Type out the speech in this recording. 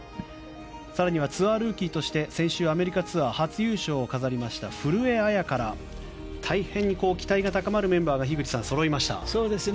更にはツアールーキーとして先週アメリカツアー初優勝を飾りました古江彩佳ら大変に期待が高まるメンバーがそろいました、樋口さん。